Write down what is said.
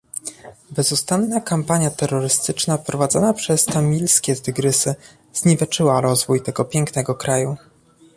Bezustanna kampania terrorystyczna prowadzona przez Tamilskie Tygrysy zniweczyła rozwój tego pięknego kraju